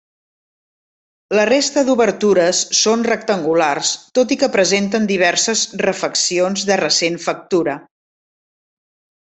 La resta d'obertures són rectangulars, tot i que presenten diverses refeccions de recent factura.